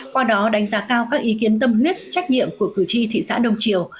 qua đó đánh giá cao các ý kiến tâm huyết trách nhiệm của cử tri thị xã đông triều